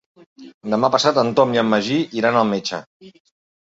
Demà passat en Tom i en Magí iran al metge.